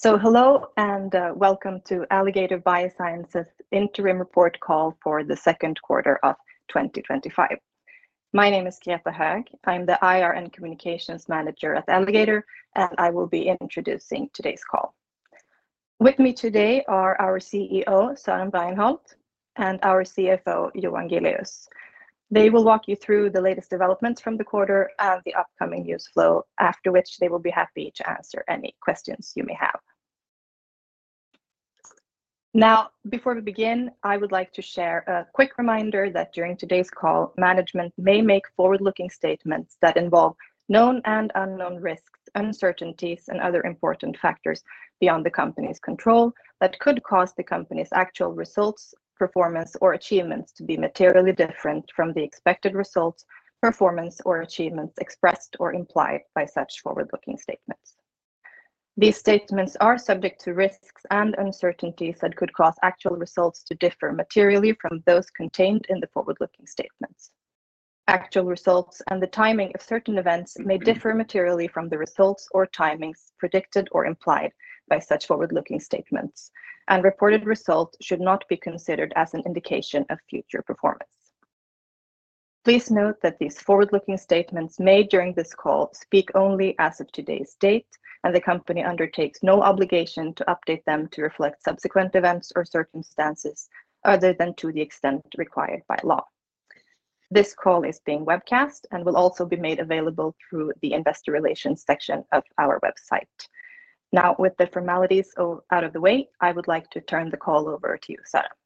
Hello and welcome to Alligator Bioscience's interim report call for the second quarter of 2025. My name is Greta Höög. I'm the IR and Communications Manager at Alligator, and I will be introducing today's call. With me today are our CEO, Søren Bregenholt, and our CFO, Johan Giléus. They will walk you through the latest developments from the quarter and the upcoming news flow, after which they will be happy to answer any questions you may have. Now, before we begin, I would like to share a quick reminder that during today's call, management may make forward-looking statements that involve known and unknown risks, uncertainties, and other important factors beyond the company's control that could cause the company's actual results, performance, or achievements to be materially different from the expected results, performance, or achievements expressed or implied by such forward-looking statements. These statements are subject to risks and uncertainties that could cause actual results to differ materially from those contained in the forward-looking statements. Actual results and the timing of certain events may differ materially from the results or timings predicted or implied by such forward-looking statements, and reported results should not be considered as an indication of future performance. Please note that these forward-looking statements made during this call speak only as of today's date, and the company undertakes no obligation to update them to reflect subsequent events or circumstances other than to the extent required by law. This call is being webcast and will also be made available through the Investor Relations section of our website. Now, with the formalities out of the way, I would like to turn the call over to you, Søren.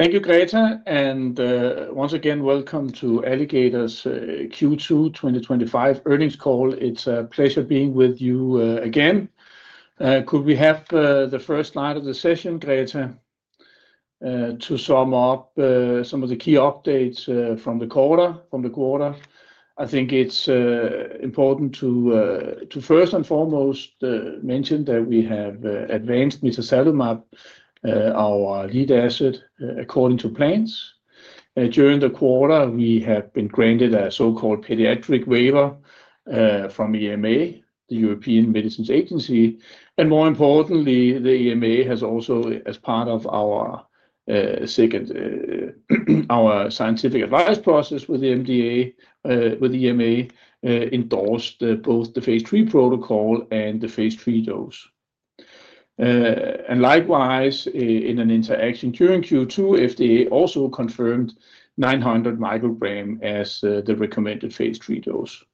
Thank you, Greta. Once again, welcome to Alligator's Q2 2025 earnings call. It's a pleasure being with you again. Could we have the first slide of the session, Greta? To sum up some of the key updates from the quarter, I think it's important to first and foremost mention that we have advanced Mitazalimab, our lead asset, according to plans. During the quarter, we have been granted a so-called pediatric waiver from the European Medicines Agency. More importantly, the EMA has also, as part of our scientific advice process with the EMA, endorsed both the Phase III protocol and the Phase III dose. Likewise, in an interaction during Q2, the FDA also confirmed 900 micrograms as the recommended Phase III dose.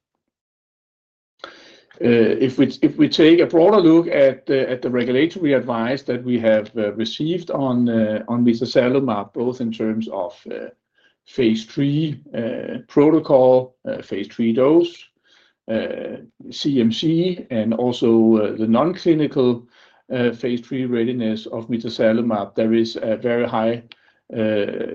If we take a broader look at the regulatory advice that we have received on Mitazalimab, both in terms of Phase III protocol, Phase III dose, CMC, and also the non-clinical Phase III readiness of Mitazalimab, there is a very high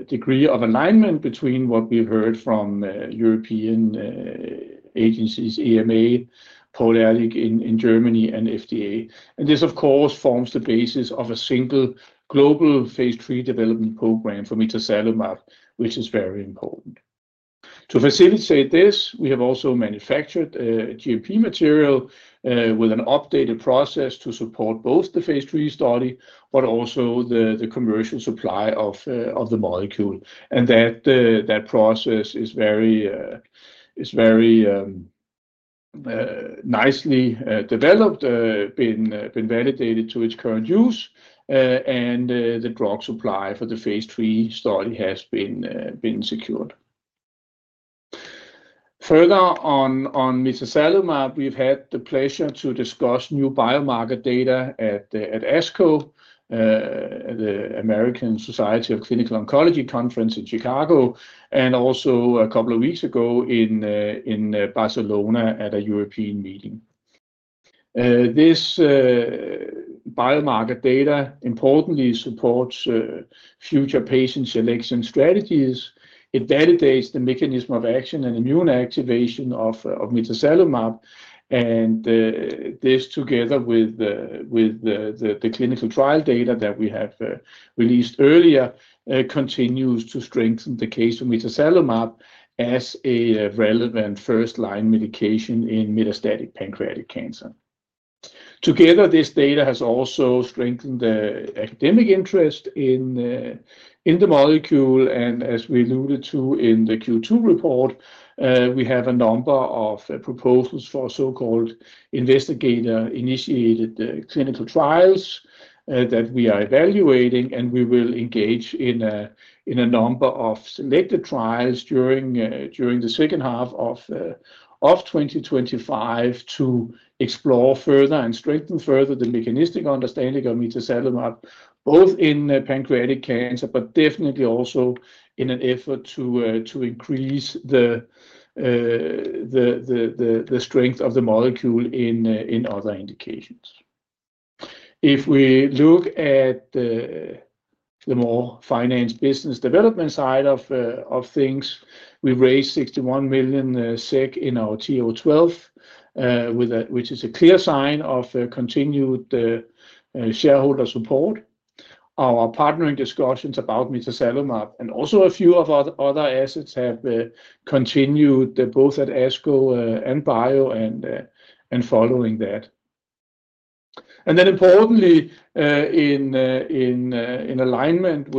degree of alignment between what we've heard from European agencies, EMA, Paul Ehrlich in Germany, and FDA. This, of course, forms the basis of a single global Phase III development program for Mitazalimab, which is very important. To facilitate this, we have also manufactured GMP-grade drug supply with an updated process to support both the Phase III study and the commercial supply of the molecule. That process is very nicely developed, has been validated to its current use, and the drug supply for the Phase III study has been secured. Further on Mitazalimab, we've had the pleasure to discuss new biomarker data at ASCO, the American Society of Clinical Oncology conference in Chicago, and also a couple of weeks ago in Barcelona at a European meeting. This biomarker data, importantly, supports future patient selection strategies. It validates the mechanism of action and immune activation of Mitazalimab. This, together with the clinical trial data that we have released earlier, continues to strengthen the case of Mitazalimab as a relevant first-line medication in metastatic pancreatic cancer. Together, this data has also strengthened the academic interest in the molecule. As we alluded to in the Q2 report, we have a number of proposals for so-called investigator-initiated clinical trials that we are evaluating. We will engage in a number of selected trials during the second half of 2025 to explore further and strengthen further the mechanistic understanding of Mitazalimab, both in pancreatic cancer, but definitely also in an effort to increase the strength of the molecule in other indications. If we look at the more finance business development side of things, we raised 61 million SEK in our TO12, which is a clear sign of continued shareholder support. Our partnering discussions about Mitazalimab and also a few of our other assets have continued both at ASCO and Bio and following that. Importantly, in alignment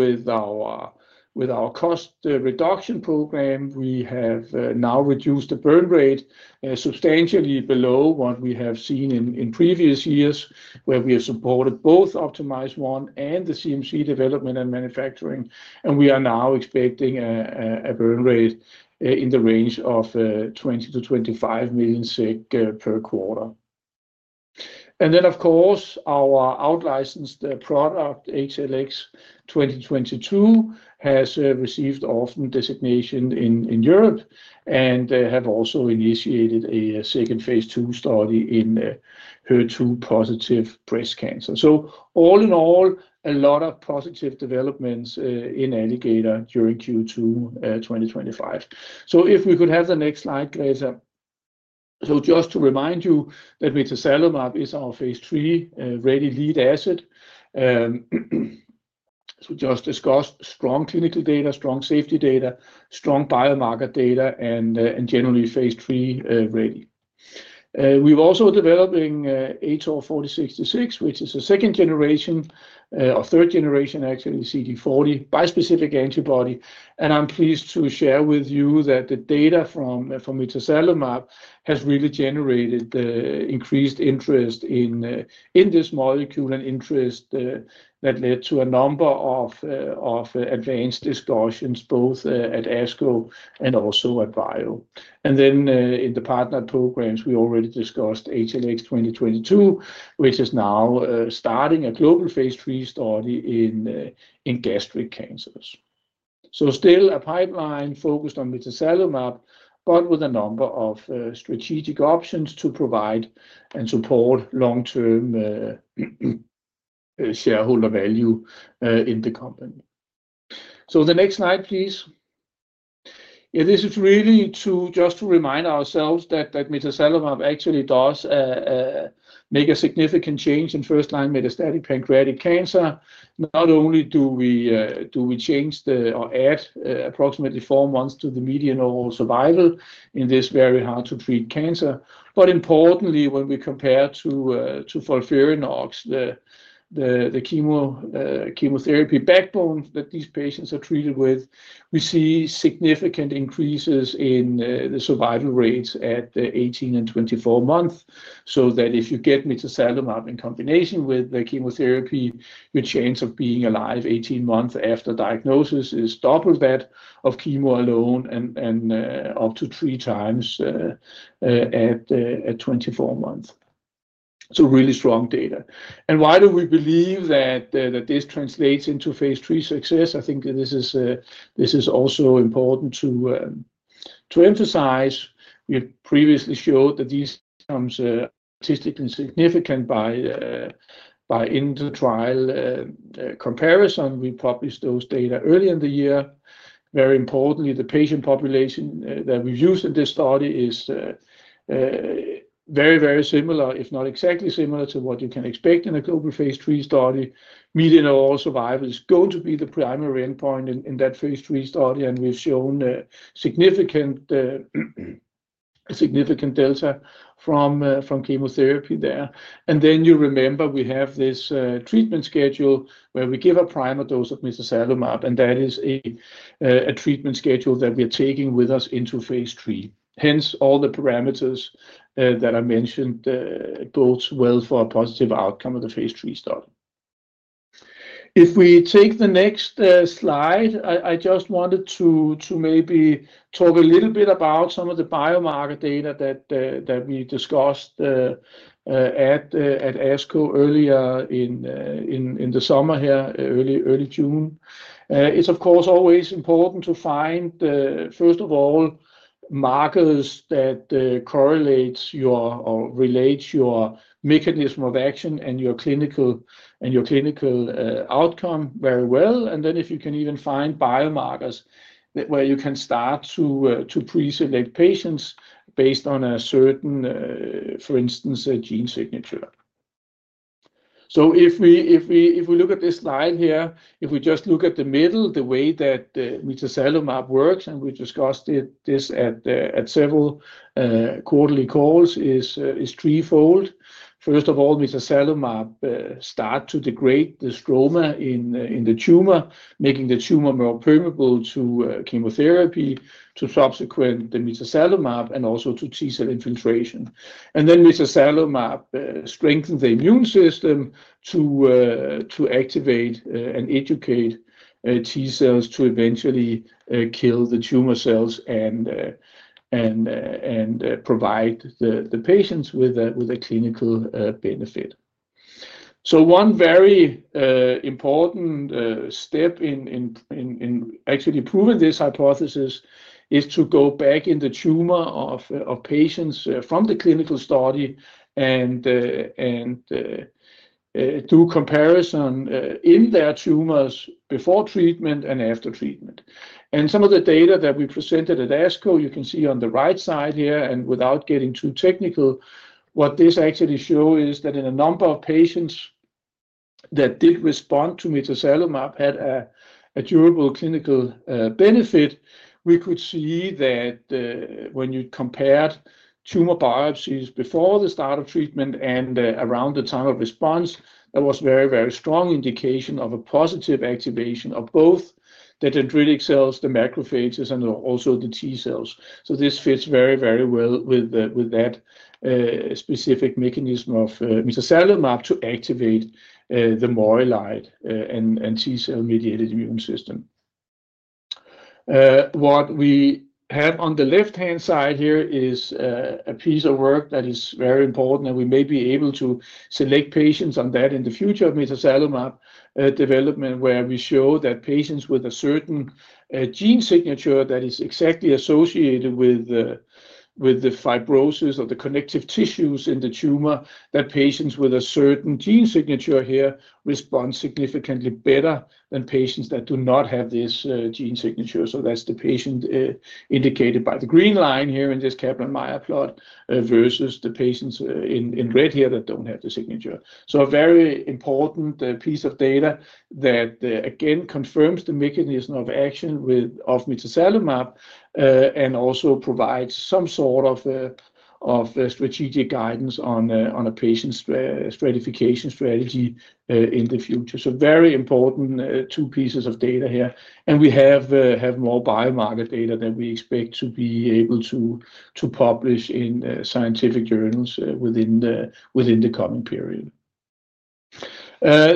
with our cost reduction program, we have now reduced the burn rate substantially below what we have seen in previous years, where we have supported both Optimize 1 and the CMC development and manufacturing. We are now expecting a burn rate in the range of 20 to 25 million per quarter. Of course, our outlicensed product, HLX22, has received orphan designation in Europe and has also initiated a second Phase II study in HER2-positive breast cancer. All in all, a lot of positive developments in Alligator during Q2 2025. If we could have the next slide, Greta. Just to remind you that Mitazalimab is our Phase III-ready lead asset. Just discuss strong clinical data, strong safety data, strong biomarker data, and generally phase III-ready. We're also developing ATOR-4066, which is a second-generation or third-generation, actually, CD40 bispecific antibody. I'm pleased to share with you that the data from Mitazalimab has really generated increased interest in this molecule and interest that led to a number of advanced discussions, both at ASCO and also at Bio. In the partnered programs, we already discussed HLX22, which is now starting a global phase III study in gastric cancers. Still a pipeline focused on Mitazalimab, but with a number of strategic options to provide and support long-term shareholder value in the company. The next slide, please. This is really to just remind ourselves that Mitazalimab actually does make a significant change in first-line metastatic pancreatic cancer. Not only do we change or add approximately four months to the median overall survival in this very hard-to-treat cancer, but importantly, when we compare to FOLFIRINOX, the chemotherapy backbone that these patients are treated with, we see significant increases in the survival rates at 18 and 24 months. If you get Mitazalimab in combination with the chemotherapy, your chance of being alive 18 months after diagnosis is double that of chemo alone and up to three times at 24 months. Really strong data. Why do we believe that this translates into phase III success? I think this is also important to emphasize. We previously showed that this becomes statistically significant by inter-trial comparison. We published those data earlier in the year. Very importantly, the patient population that we've used in this study is very, very similar, if not exactly similar, to what you can expect in a global phase III study. Median overall survival is going to be the primary endpoint in that Phase III study, and we've shown significant delta from chemotherapy there. You remember we have this treatment schedule where we give a primer dose of Mitazalimab, and that is a treatment schedule that we are taking with us into Phase III. Hence, all the parameters that I mentioned bode well for a positive outcome of the phase III study. If we take the next slide, I just wanted to maybe talk a little bit about some of the biomarker data that we discussed at ASCO earlier in the summer here, early June. It's, of course, always important to find, first of all, markers that correlate or relate to your mechanism of action and your clinical outcome very well. If you can even find biomarkers where you can start to pre-select patients based on a certain, for instance, a gene signature. If we look at this slide here, if we just look at the middle, the way that Mitazalimab works, and we discussed this at several quarterly calls, is threefold. First of all, Mitazalimab starts to degrade the stroma in the tumor, making the tumor more permeable to chemotherapy, to subsequent Mitazalimab, and also to T-cell infiltration. Mitazalimab strengthens the immune system to activate and educate T-cells to eventually kill the tumor cells and provide the patients with a clinical benefit. One very important step in actually proving this hypothesis is to go back in the tumor of patients from the clinical study and do a comparison in their tumors before treatment and after treatment. Some of the data that we presented at ASCO, you can see on the right side here. Without getting too technical, what this actually shows is that in a number of patients that did respond to Mitazalimab, had a durable clinical benefit, we could see that when you compared tumor biopsies before the start of treatment and around the time of response, there was a very, very strong indication of a positive activation of both the dendritic cells, the macrophages, and also the T-cells. This fits very, very well with that specific mechanism of Mitazalimab to activate the myeloid and T-cell-mediated immune system. What we have on the left-hand side here is a piece of work that is very important, and we may be able to select patients on that in the future of Mitazalimab development, where we show that patients with a certain gene signature that is exactly associated with the fibrosis of the connective tissues in the tumor, that patients with a certain gene signature here respond significantly better than patients that do not have this gene signature. That's the patient indicated by the green line here in this Kaplan-Meier plot versus the patients in red here that don't have the signature. A very important piece of data that again confirms the mechanism of action of Mitazalimab and also provides some sort of strategic guidance on a patient's stratification strategy in the future. Very important two pieces of data here. We have more biomarker data that we expect to be able to publish in scientific journals within the coming period. I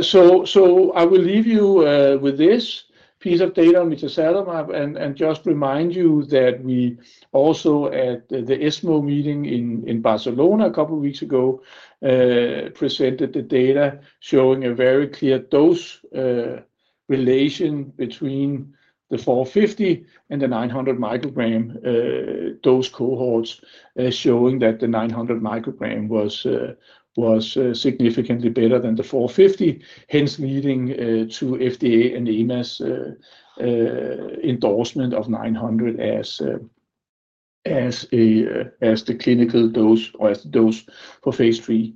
will leave you with this piece of data on Mitazalimab and just remind you that we also, at the ESMO meeting in Barcelona a couple of weeks ago, presented the data showing a very clear dose relation between the 450 and the 900 microgram dose cohorts, showing that the 900 microgram was significantly better than the 450, hence leading to FDA and EMA endorsement of 900 as the clinical dose or as the dose for Phase III.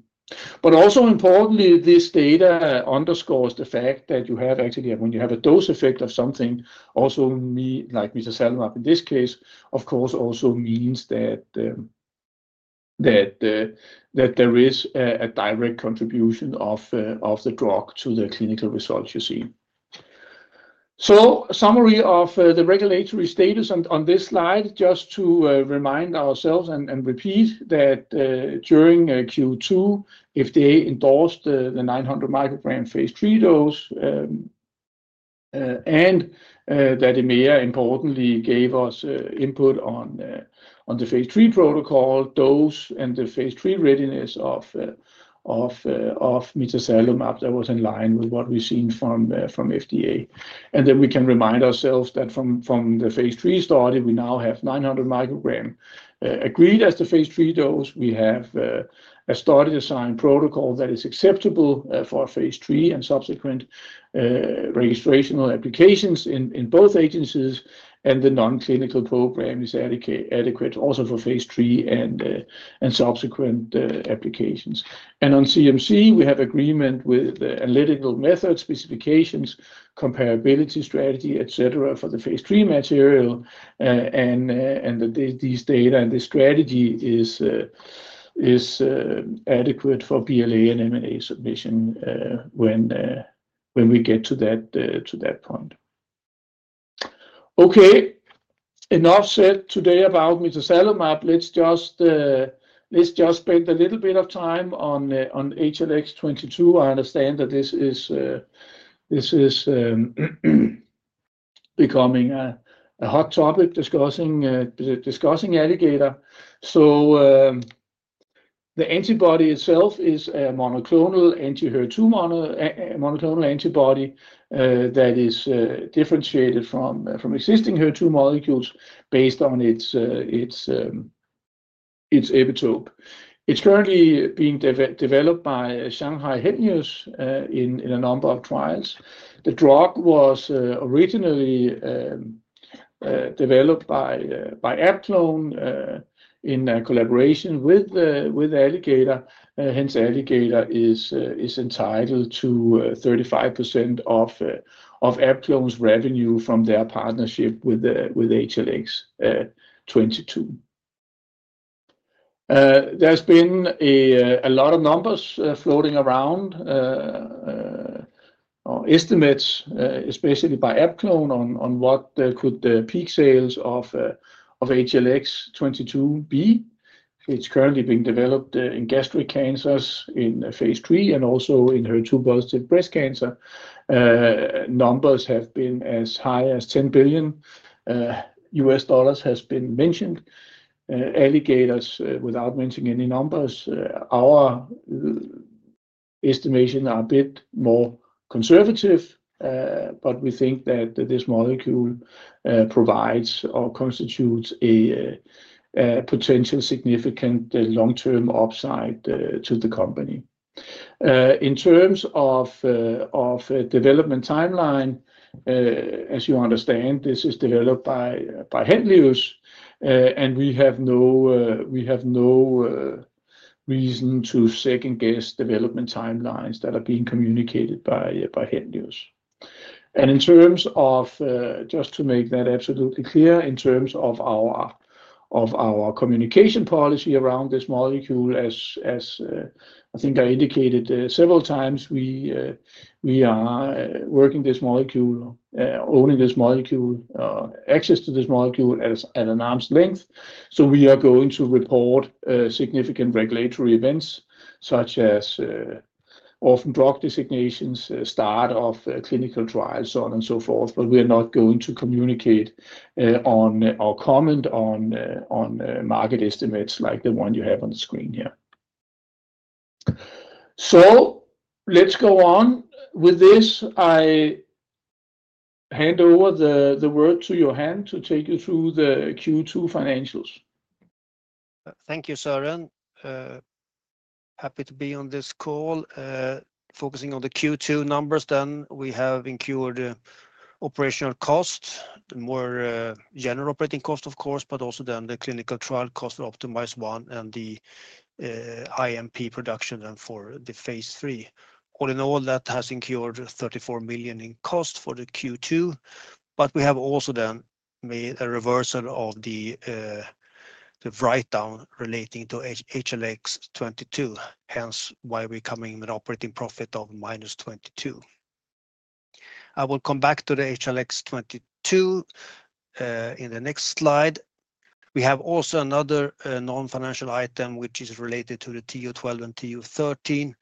Also importantly, this data underscores the fact that you have actually, when you have a dose effect of something, also like Mitazalimab in this case, of course, also means that there is a direct contribution of the drug to the clinical results you see. A summary of the regulatory status on this slide, just to remind ourselves and repeat that during Q2, FDA endorsed the 900 microgram Phase III dose and that EMA, importantly, gave us input on the phase III protocol dose and the Phase III readiness of Mitazalimab that was in line with what we've seen from FDA. We can remind ourselves that from the phase III study, we now have 900 microgram agreed as the Phase III dose. We have a study design protocol that is acceptable for Phase III and subsequent registrational applications in both agencies. The non-clinical program is adequate also for phase III and subsequent applications. On CMC, we have agreement with the analytical methods, specifications, comparability strategy, etc., for the Phase III material. These data and this strategy is adequate for BLA and MAA submission when we get to that point. Enough said today about Mitazalimab. Let's just spend a little bit of time on HLX22. I understand that this is becoming a hot topic discussing Alligator. The antibody itself is a monoclonal anti-HER2 monoclonal antibody that is differentiated from existing HER2 molecules based on its epitope. It's currently being developed by Shanghai Henlius in a number of trials. The drug was originally developed by Abclone in collaboration with Alligator. Hence, Alligator is entitled to 35% of Abclone's revenue from their partnership with HLX22. There's been a lot of numbers floating around or estimates, especially by Abclone, on what could the peak sales of HLX22 be. It's currently being developed in gastric cancers in Phase III and also in HER2-positive breast cancer. Numbers have been as high as $10 billion has been mentioned. Alligator's, without mentioning any numbers, our estimation is a bit more conservative, but we think that this molecule provides or constitutes a potential significant long-term upside to the company. In terms of development timeline, as you understand, this is developed by Henlius, and we have no reason to second-guess development timelines that are being communicated by Henlius. Just to make that absolutely clear, in terms of our communication policy around this molecule, as I think I indicated several times, we are working this molecule, owning this molecule, or access to this molecule at an arm's length. We are going to report significant regulatory events such as orphan drug designations, start of clinical trials, and so on and so forth. We are not going to communicate or comment on market estimates like the one you have on the screen here. Let's go on with this. I hand over the word to Johan to take you through the Q2 financials. Thank you, Søren. Happy to be on this call. Focusing on the Q2 numbers, we have incurred operational cost, the more general operating cost, of course, but also the clinical trial cost of Optimize 1 and the IMP production for the phase III. All in all, that has incurred 34 million in cost for Q2. We have also made a reversal of the write-down relating to HLX22, which is why we're coming in with an operating profit of -22 million. I will come back to HLX22 in the next slide. We have another non-financial item, which is related to the TO12 and TO13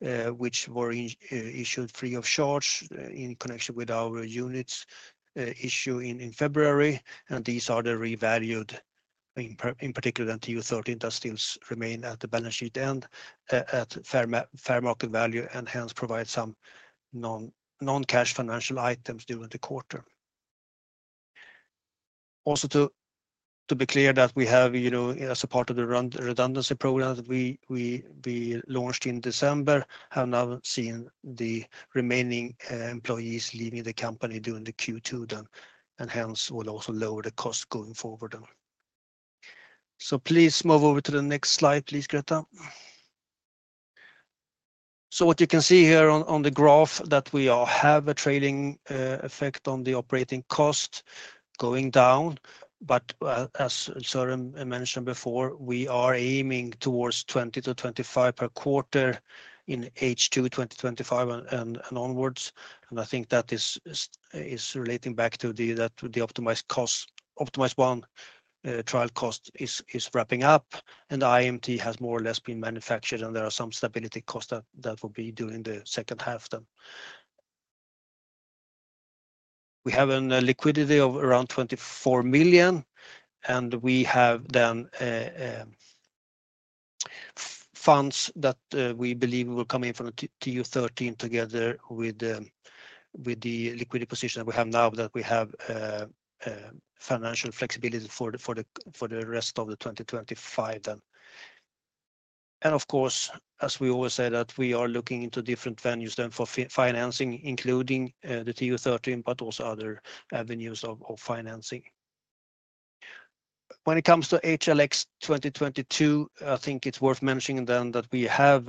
warrants, which were issued free of charge in connection with our units issued in February. These are revalued, in particular, the TO13 that still remain at the balance sheet end at fair market value and hence provide some non-cash financial items during the quarter. To be clear, as part of the redundancy program that we launched in December, we have now seen the remaining employees leaving the company during Q2, which will also lower the cost going forward. Please move over to the next slide, Greta. What you can see here on the graph is that we have a trailing effect on the operating cost going down. As Søren mentioned before, we are aiming towards 20 million-25 million per quarter in H2 2025 and onwards. I think that is relating back to the Optimize 1 trial cost wrapping up. The IMP has more or less been manufactured, and there are some stability costs that will be during the second half. We have a liquidity of around 24 million, and we believe that funds will come in from TO13 together with the liquidity position that we have now, so we have financial flexibility for the rest of 2025. As we always say, we are looking into different venues for financing, including the TO13, but also other avenues of financing. When it comes to HLX22, I think it's worth mentioning that we have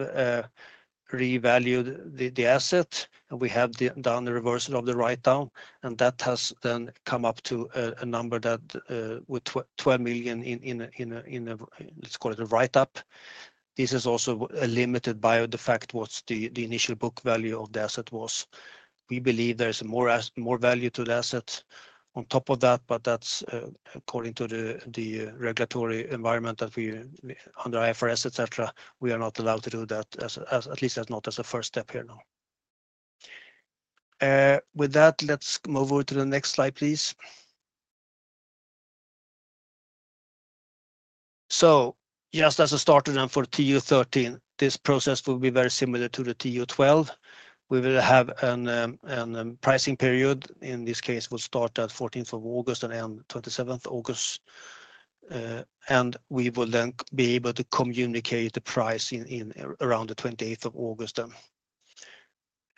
revalued the asset, and we have done the reversal of the write-down. That has then come up to a number that with 12 million in a, let's call it a write-up. This is also limited by the fact what the initial book value of the asset was. We believe there is more value to the asset on top of that, but that's according to the regulatory environment that we under IFRS, etc., we are not allowed to do that, at least that's not as a first step here now. With that, let's move over to the next slide, please. Just as a starter then for TO13, this process will be very similar to the TO12. We will have a pricing period. In this case, we'll start at 14th of August and end 27th of August. We will then be able to communicate the price around the 28th of August then.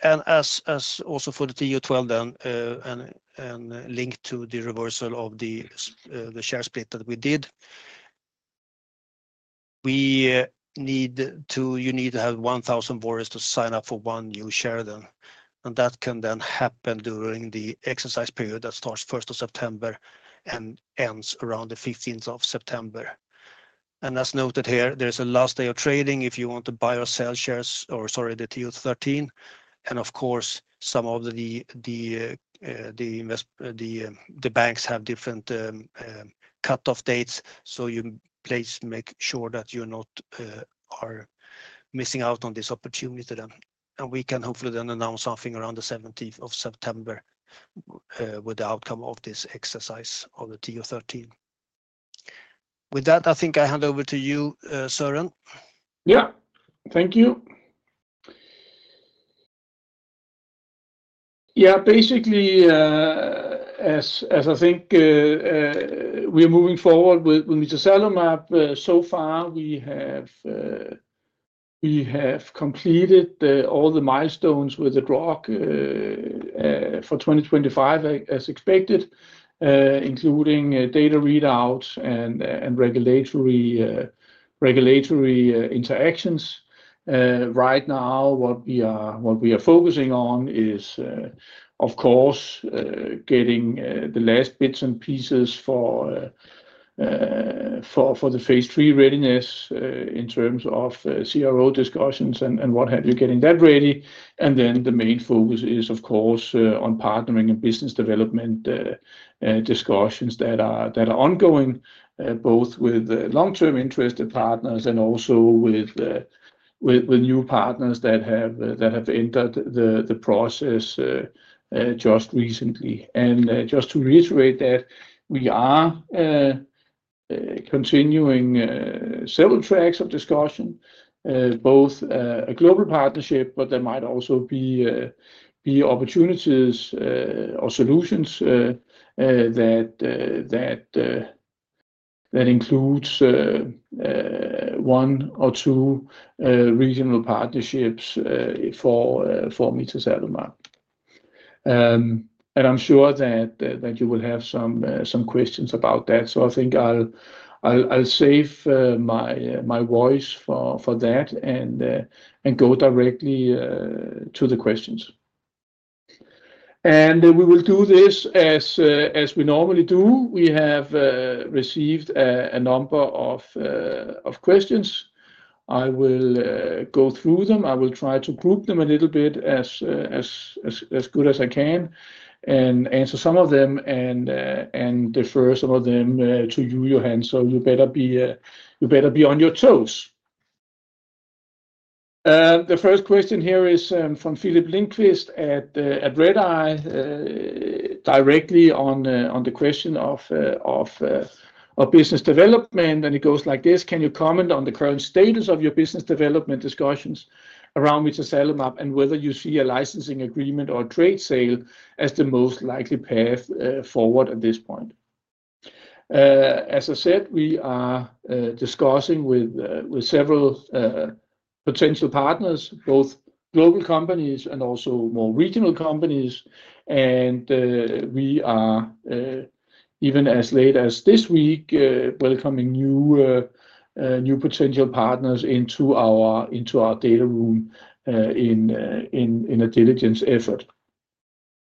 As also for the TO12 then, and linked to the reversal of the share split that we did, you need to have 1,000 voters to sign up for one new share then. That can then happen during the exercise period that starts 1st of September and ends around the 15th of September. As noted here, there is a last day of trading if you want to buy or sell shares or, sorry, the TO13. Of course, some of the banks have different cutoff dates. Please make sure that you're not missing out on this opportunity then. We can hopefully then announce something around the 17th of September with the outcome of this exercise of the TO13. With that, I think I hand over to you, Søren. Yeah. Thank you. Basically, as I think we are moving forward with Mitazalimab, so far, we have completed all the milestones with the drug for 2025 as expected, including data readouts and regulatory interactions. Right now, what we are focusing on is, of course, getting the last bits and pieces for the phase III readiness in terms of CRO discussions and what have you, getting that ready. The main focus is, of course, on partnering and business development discussions that are ongoing, both with long-term interested partners and also with new partners that have entered the process just recently. Just to reiterate that, we are continuing several tracks of discussion, both a global partnership, but there might also be opportunities or solutions that include one or two regional partnerships for Mitazalimab. I'm sure that you will have some questions about that. I think I'll save my voice for that and go directly to the questions. We will do this as we normally do. We have received a number of questions. I will go through them. I will try to group them a little bit as good as I can and answer some of them and defer some of them to you, Johan. You better be on your toes. The first question here is from Philip Lindquist at Red Eye directly on the question of business development. It goes like this: Can you comment on the current status of your business development discussions around Mitazalimab and whether you see a licensing agreement or a trade sale as the most likely path forward at this point? As I said, we are discussing with several potential partners, both global companies and also more regional companies. We are, even as late as this week, welcoming new potential partners into our data room in a diligence effort.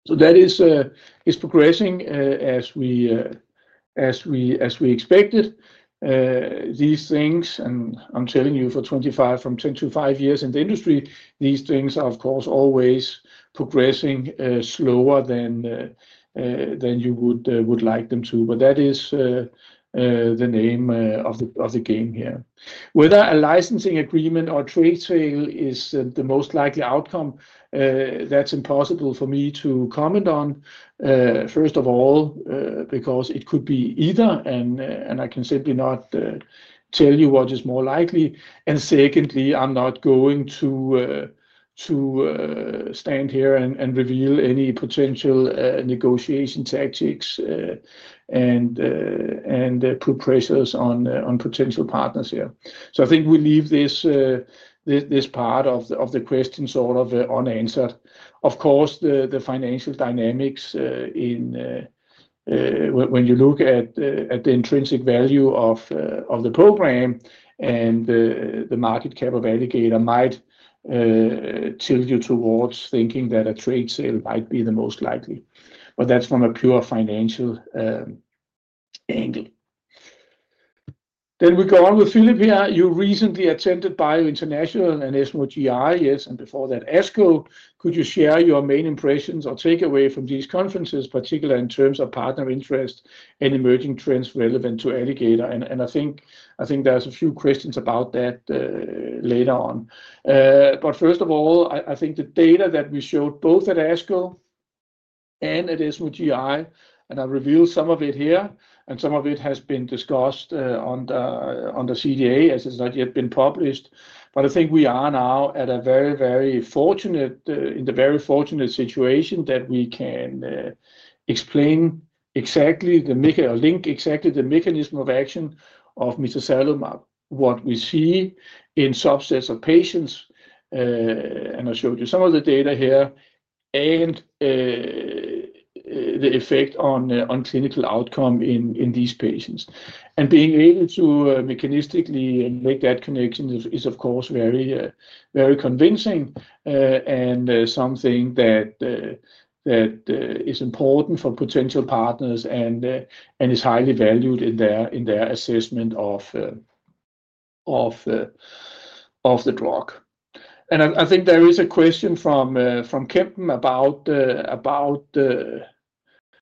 That is progressing as we expected. These things, and I'm telling you for 25 from 10 to 5 years in the industry, these things are, of course, always progressing slower than you would like them to. That is the name of the game here. Whether a licensing agreement or trade sale is the most likely outcome, that's impossible for me to comment on, first of all, because it could be either, and I can simply not tell you what is more likely. Secondly, I'm not going to stand here and reveal any potential negotiation tactics and put pressures on potential partners here. I think we leave this part of the question sort of unanswered. Of course, the financial dynamics in when you look at the intrinsic value of the program and the market cap of Alligator might tilt you towards thinking that a trade sale might be the most likely. That's from a pure financial angle. We go on with Philip here. You recently attended Bio International and ESMO GI, yes, and before that, ASCO. Could you share your main impressions or takeaway from these conferences, particularly in terms of partner interest and emerging trends relevant to Alligator? I think there's a few questions about that later on. First of all, I think the data that we showed both at ASCO and at ESMO GI, and I've revealed some of it here, and some of it has been discussed under CDA as it's not yet been published. I think we are now at a very, very fortunate situation that we can explain exactly the link, exactly the mechanism of action of Mitazalimab, what we see in subsets of patients. I showed you some of the data here and the effect on clinical outcome in these patients. Being able to mechanistically make that connection is, of course, very, very convincing and something that is important for potential partners and is highly valued in their assessment of the drug. I think there is a question from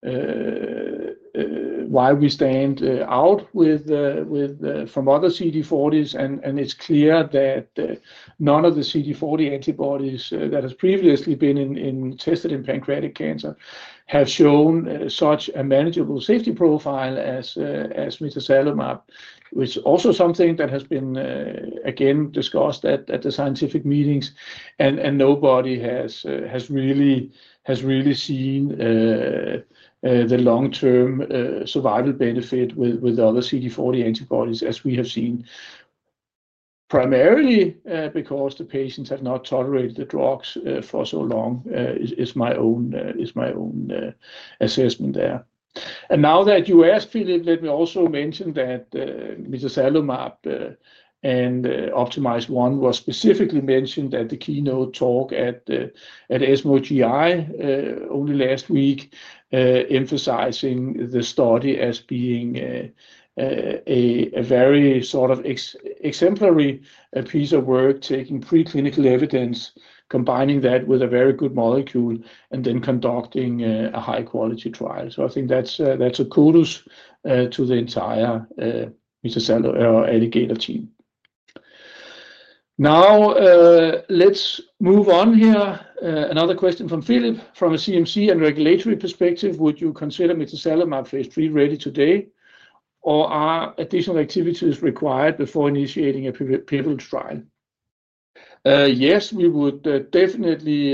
Kempen about why we stand out from other CD40s. It's clear that none of the CD40 antibodies that have previously been tested in pancreatic cancer have shown such a manageable safety profile as Mitazalimab, which is also something that has been, again, discussed at the scientific meetings. Nobody has really seen the long-term survival benefit with other CD40 antibodies, as we have seen, primarily because the patients have not tolerated the drugs for so long, is my own assessment there. Now that you asked, Philip, let me also mention that Mitazalimab and Optimize 1 were specifically mentioned at the keynote talk at ESMO GI only last week, emphasizing the study as being a very sort of exemplary piece of work, taking preclinical evidence, combining that with a very good molecule, and then conducting a high-quality trial. I think that's a kudos to the entire Alligator team. Let's move on here. Another question from Philip. From a CMC and regulatory perspective, would you consider Mitazalimab Phase III ready today, or are additional activities required before initiating a pivotal trial? Yes, we would definitely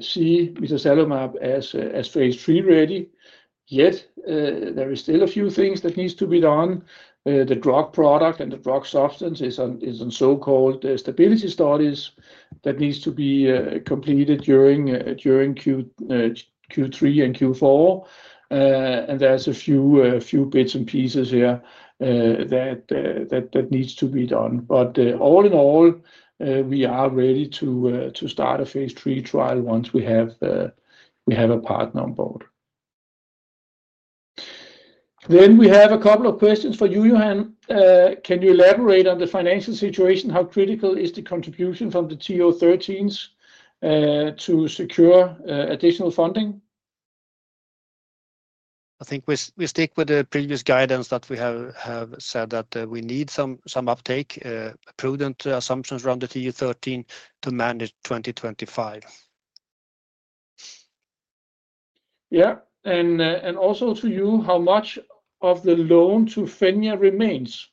see Mitazalimab as Phase III ready. Yet there are still a few things that need to be done. The drug product and the drug substance is on so-called stability studies that need to be completed during Q3 and Q4. There are a few bits and pieces here that need to be done. All in all, we are ready to start a phase III trial once we have a partner on board. We have a couple of questions for you, Johan. Can you elaborate on the financial situation? How critical is the contribution from the TO13s to secure additional funding? I think we stick with the previous guidance that we have said that we need some uptake, prudent assumptions around the TO13 to manage 2025. Yeah, also to you, how much of the loan to Fenya remains?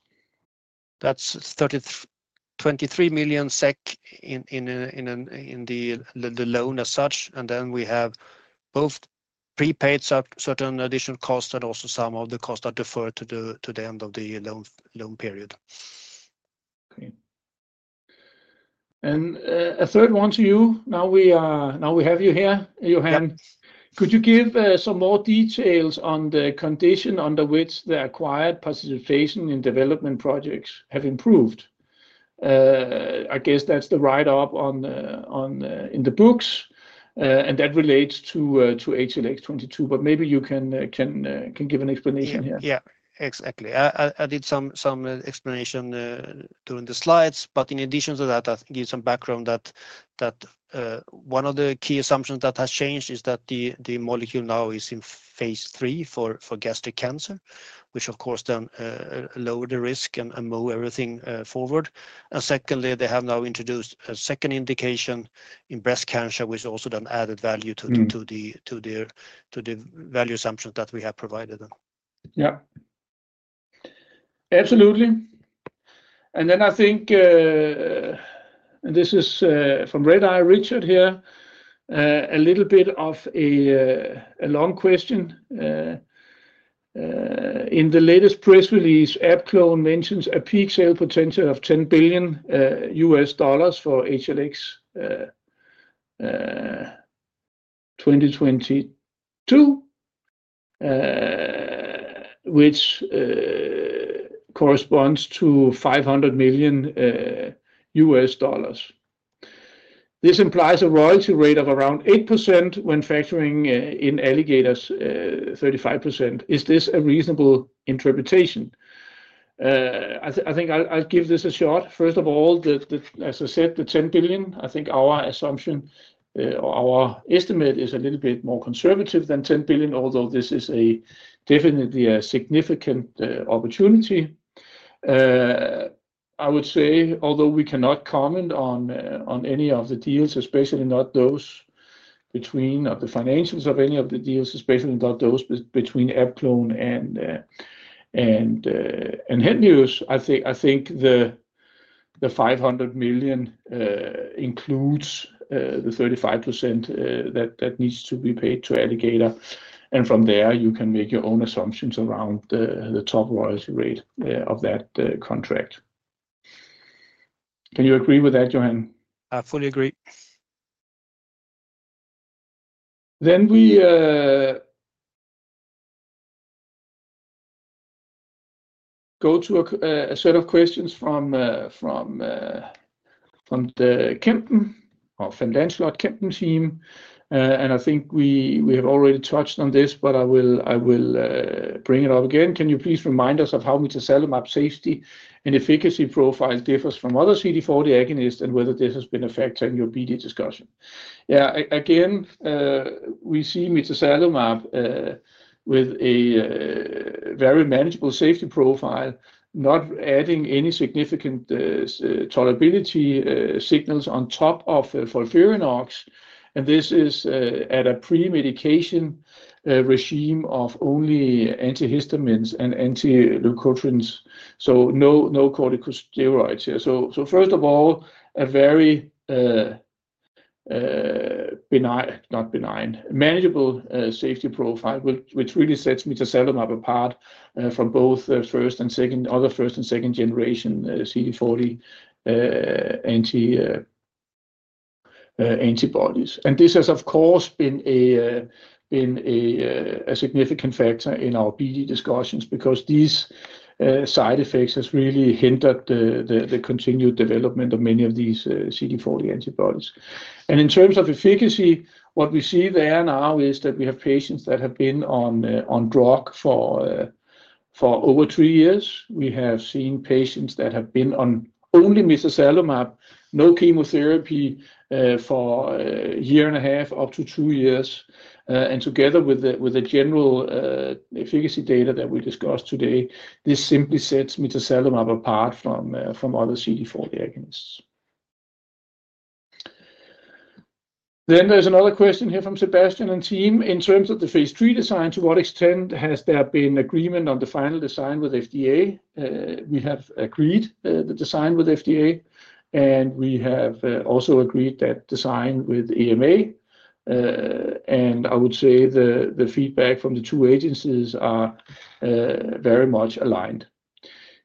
That's stated SEK 23 million in the loan as such. We have both prepaid certain additional costs and also some of the costs that defer to the end of the loan period. Okay. A third one to you. Now we have you here, Johan. Could you give some more details on the condition under which the acquired participation in development projects have improved? I guess that's the write-up in the books, and that relates to HLX22. Maybe you can give an explanation here. Yeah, exactly. I did some explanation during the slides. In addition to that, I'll give some background that one of the key assumptions that has changed is that the molecule now is in phase III for gastric cancer, which, of course, lowers the risk and moves everything forward. Secondly, they have now introduced a second indication in breast cancer, which also added value to the value assumptions that we have provided them. Yeah. Absolutely. I think, and this is from Red Eye, Richard here, a little bit of a long question. In the latest press release, Abclone mentions a peak sale potential of $10 billion for HLX22, which corresponds to $500 million. This implies a royalty rate of around 8% when factoring in Alligator's 35%. Is this a reasonable interpretation? I think I'll give this a shot. First of all, as I said, the $10 billion, I think our assumption or our estimate is a little bit more conservative than $10 billion, although this is definitely a significant opportunity. I would say, although we cannot comment on any of the deals, especially not the financials of any of the deals, especially not those between Abclone and Shanghai Henlius Biotech Inc., I think the $500 million includes the 35% that needs to be paid to Alligator. From there, you can make your own assumptions around the top royalty rate of that contract. Can you agree with that, Johan? I fully agree. We go to a set of questions from the Kempen or Finlandslot Kempen team. I think we have already touched on this, but I will bring it up again. Can you please remind us of how Mitazalimab safety and efficacy profile differs from other CD40 agonists and whether this has been a factor in your BD discussion? Yeah, again, we see Mitazalimab with a very manageable safety profile, not adding any significant tolerability signals on top of FOLFIRINOX. This is at a premedication regime of only antihistamines and anti-leukotrienes. No corticosteroids here. First of all, a very manageable safety profile, which really sets Mitazalimab apart from both first and second, other first and second-generation CD40 antibodies. This has, of course, been a significant factor in our BD discussions because these side effects have really hindered the continued development of many of these CD40 antibodies. In terms of efficacy, what we see there now is that we have patients that have been on drug for over three years. We have seen patients that have been on only Mitazalimab, no chemotherapy for a year and a half up to two years. Together with the general efficacy data that we discussed today, this simply sets Mitazalimab apart from other CD40 agonists. There is another question here from Sebastian and team. In terms of the phase III design, to what extent has there been agreement on the final design with FDA? We have agreed the design with FDA, and we have also agreed that design with EMA. I would say the feedback from the two agencies is very much aligned.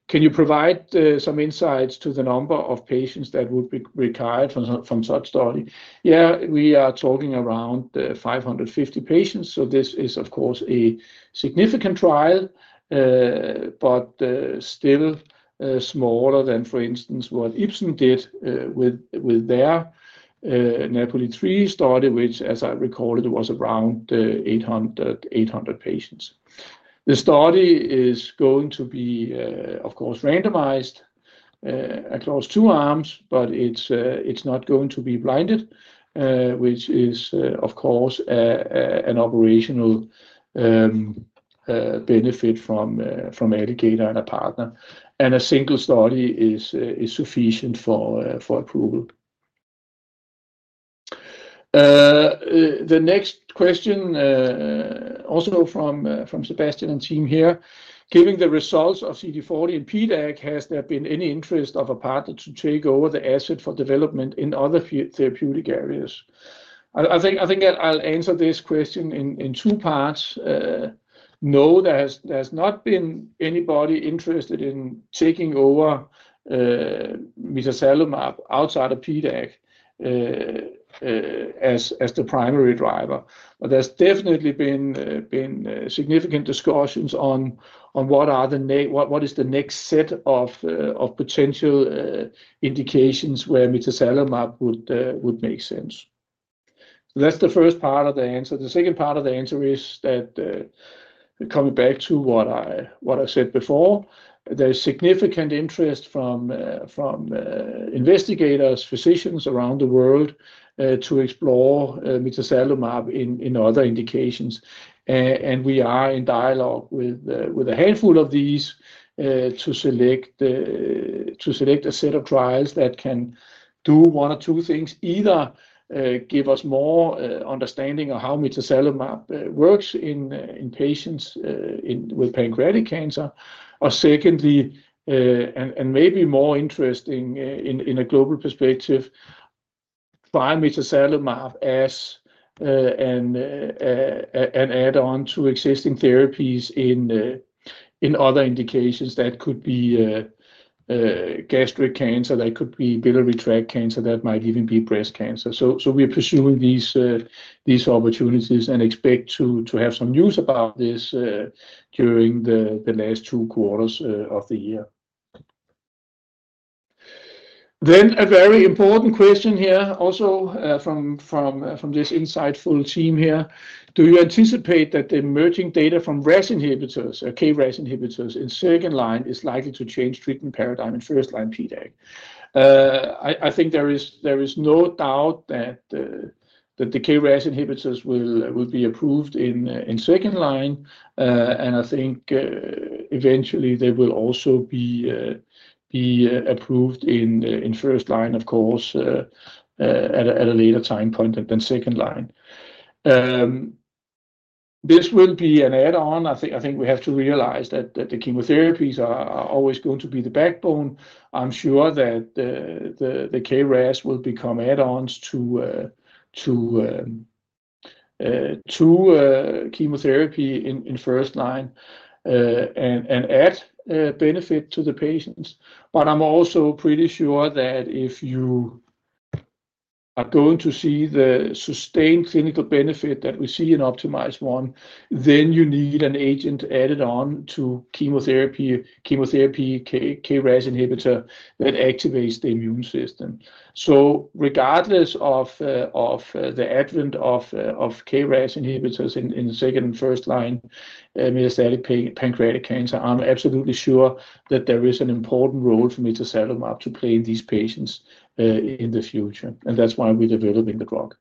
Can you provide some insights to the number of patients that would be required from such study? Yeah, we are talking around 550 patients. This is, of course, a significant trial, but still smaller than, for instance, what Ibsen did with their NEPO3 study, which, as I recall, was around 800 patients. The study is going to be randomized across two arms, but it's not going to be blinded, which is, of course, an operational benefit from Alligator and a partner. A single study is sufficient for approval. The next question, also from Sebastian and team here. Given the results of CD40 and PDAC, has there been any interest of a partner to take over the asset for development in other therapeutic areas? I think I'll answer this question in two parts. No, there's not been anybody interested in taking over Mitazalimab outside of PDAC as the primary driver. There's definitely been significant discussions on what is the next set of potential indications where Mitazalimab would make sense. That's the first part of the answer. The second part of the answer is that, coming back to what I said before, there's significant interest from investigators, physicians around the world to explore Mitazalimab in other indications. We are in dialogue with a handful of these to select a set of trials that can do one or two things, either give us more understanding of how Mitazalimab works in patients with pancreatic cancer, or, maybe more interesting in a global perspective, buy Mitazalimab as an add-on to existing therapies in other indications. That could be gastric cancer. That could be biliary tract cancer. That might even be breast cancer. We are pursuing these opportunities and expect to have some news about this during the last two quarters of the year. A very important question here, also from this insightful team here: Do you anticipate that the emerging data from KRAS inhibitors in second line is likely to change treatment paradigm in first-line PDAC? I think there is no doubt that the KRAS inhibitors will be approved in second line. I think eventually they will also be approved in first line, of course, at a later time point than second line. This will be an add-on. We have to realize that the chemotherapies are always going to be the backbone. I'm sure that the KRAS will become add-ons to chemotherapy in first line and add benefit to the patients. I'm also pretty sure that if you are going to see the sustained clinical benefit that we see in Optimize 1, you need an agent added on to chemotherapy, KRAS inhibitor that activates the immune system. Regardless of the advent of KRAS inhibitors in second and first-line metastatic pancreatic cancer, I'm absolutely sure that there is an important role for Mitazalimab to play in these patients in the future. That's why we're developing the drug.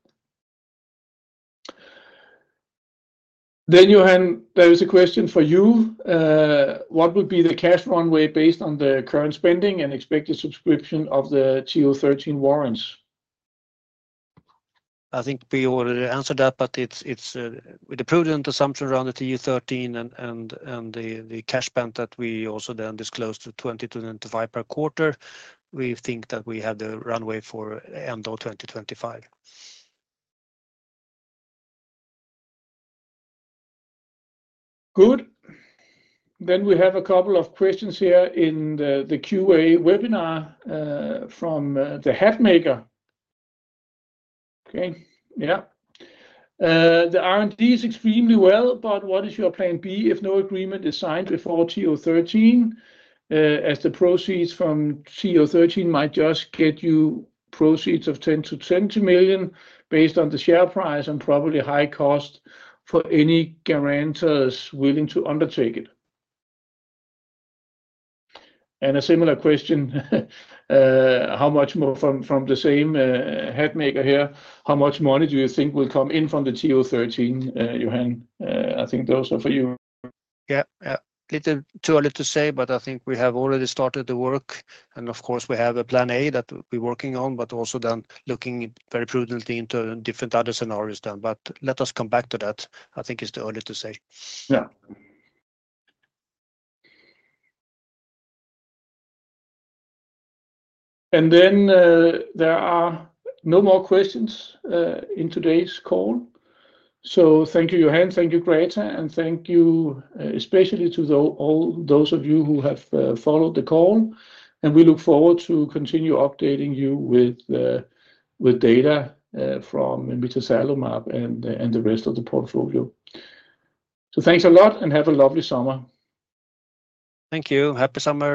Johan, there is a question for you. What would be the cash runway based on the current spending and expected subscription of the TO13 warrants? I think we already answered that, but it's with the prudent assumption around the TO13 and the cash spend that we also then disclosed to 20 million-25 million per quarter, we think that we have the runway for the end of 2025. Good. We have a couple of questions here in the Q&A webinar from the Hatmaker. Okay. The R&D is extremely well, but what is your plan B if no agreement is signed with 4 TO13 as the proceeds from TO13 might just get you proceeds of $10 million-$20 million based on the share price and probably high cost for any guarantors willing to undertake it? A similar question, how much more from the same Hatmaker here, how much money do you think will come in from the TO13, Johan? I think those are for you. Yeah, it's too early to say. I think we have already started the work. Of course, we have a plan A that we're working on, also looking very prudently into different other scenarios. Let us come back to that. I think it's too early to say. There are no more questions in today's call. Thank you, Johan. Thank you, Greta. Thank you especially to all those of you who have followed the call. We look forward to continue updating you with data from Mitazalimab and the rest of the portfolio. Thanks a lot and have a lovely summer. Thank you. Happy summer.